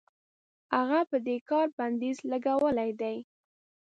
هغه په دې کار بندیز لګولی دی.